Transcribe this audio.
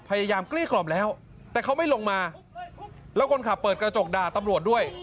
เกลี้กล่อมแล้วแต่เขาไม่ลงมาแล้วคนขับเปิดกระจกด่าตำรวจด้วย